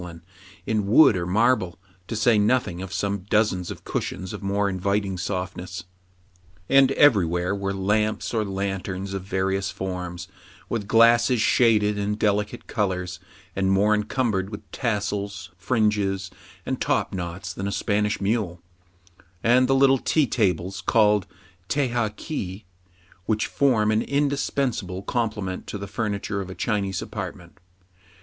40 TRIBULATIONS OF A CHINAMAN, in wood or marble, to say nothing of some dozens of cushions of more inviting softness ; and every where were lamps or lanterns of various forms, with glasses shaded in delicate colors, and more encumbered with tassels, fringes, and top knots than a Spanish mule ; and the little tea tables called teha ki, which form an indispensable complement to the furniture of a Chinese apartment.